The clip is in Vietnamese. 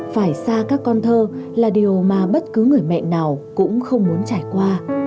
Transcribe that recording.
phải xa các con thơ là điều mà bất cứ người mẹ nào cũng không muốn trải qua